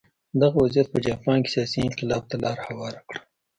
دغه وضعیت په جاپان کې سیاسي انقلاب ته لار هواره کړه.